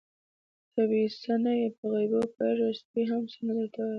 _ته بې څه نه يې، په غيبو پوهېږې، سپی هم څه نه درته وايي.